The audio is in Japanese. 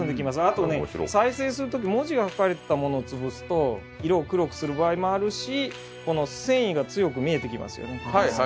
あとね再生する時文字が書かれてたものを潰すと色を黒くする場合もあるし繊維が強く見えてきますよね